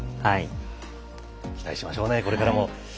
期待しましょうねこれからも。